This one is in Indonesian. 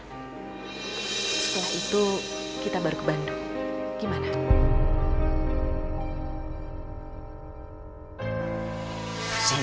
setelah itu kita baru ke bandung gimana